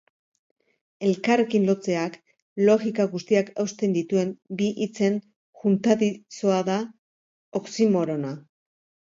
Elkarrekin lotzeak lojika guztiak hausten dituen bi hitzen juntadizoa da oxymorona.